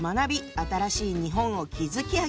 新しい日本を築き上げよう！」。